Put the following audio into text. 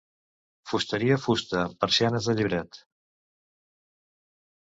Fusteria fusta, persianes de llibret.